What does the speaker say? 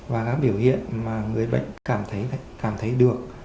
và các biểu hiện mà người bệnh cảm thấy được